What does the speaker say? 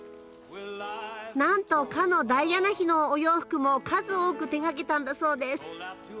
なんとかのダイアナ妃のお洋服も数多く手がけたんだそうです。